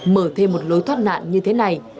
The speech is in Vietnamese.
mở thêm một lối thoát nạn như thế này